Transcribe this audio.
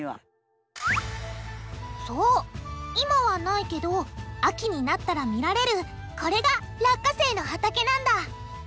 そう今はないけど秋になったら見られるこれが落花生の畑なんだ。